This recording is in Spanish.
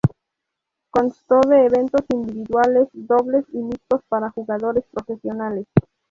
Constó de eventos individuales, dobles y mixtos para jugadores profesionales.